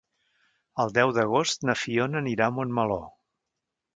El deu d'agost na Fiona anirà a Montmeló.